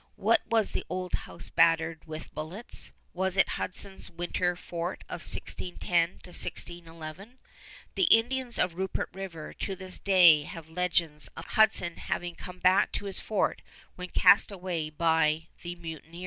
What was the old house battered with bullets? Was it Hudson's winter fort of 1610 1611? The Indians of Rupert River to this day have legends of Hudson having come back to his fort when cast away by the mutineers.